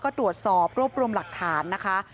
ก็ตรวจสอบรวบรวมหลักฐานนะคะ